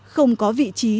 không có vị trí